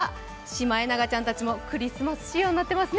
今週はシマエナガちゃんたちもクリスマス仕様になってますね。